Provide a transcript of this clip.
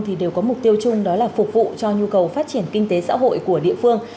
thì đều có mục tiêu chung đó là phục vụ cho nhu cầu phát triển kinh tế xã hội của địa phương